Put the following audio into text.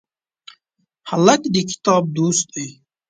هلک د کتاب دوست دی.